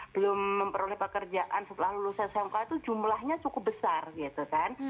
belum memperoleh pekerjaan setelah lulus smk itu jumlahnya cukup besar gitu kan